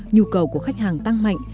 nhu cầu của khách hàng tăng mạnh